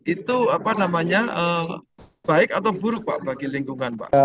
itu baik atau buruk bagi lingkungan